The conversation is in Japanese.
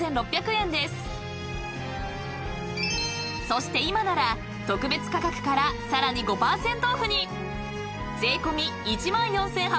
［そして今なら特別価格からさらに５％オフに］